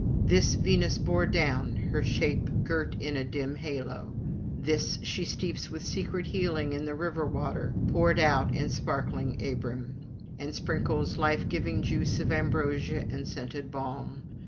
This Venus bore down, her shape girt in a dim halo; this she steeps with secret healing in the river water poured out and sparkling abrim, and sprinkles life giving juice of ambrosia and scented balm.